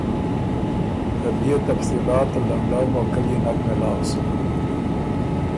ته بيې تفصیلات ته لنډؤ موقع ليې نک مېلاؤ سُک